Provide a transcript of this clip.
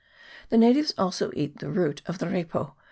The natives also eat the root of the repo.